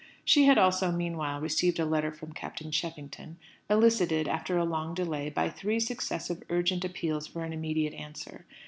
She had also, meanwhile, received a letter from Captain Cheffington, elicited, after a long delay, by three successive urgent appeals for an immediate answer.